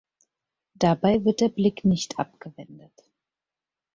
Dabei wird der Blick nicht abgewendet.